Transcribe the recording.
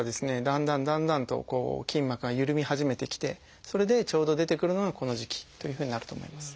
だんだんだんだんと筋膜がゆるみ始めてきてそれでちょうど出てくるのがこの時期というふうになると思います。